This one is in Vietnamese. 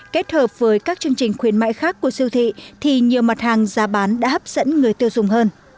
kết hợp với các chương trình khuyến mại khác của siêu thị thì nhiều mặt hàng giá bán đã hấp dẫn người tiêu dùng hơn